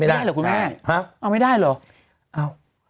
ได้เหรอคุณแม่เอาไม่ได้เหรอ